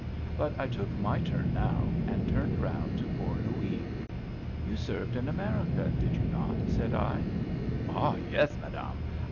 But I took my turn now, and turned round to poor Louis. "You served in America, did you not?" said I. "Ah, yes, madame!